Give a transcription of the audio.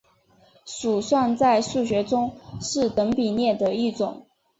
鼠算在数学中是等比数列的一种。